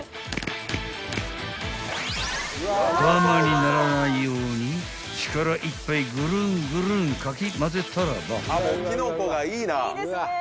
［ダマにならないように力いっぱいぐるんぐるんかき混ぜたらば］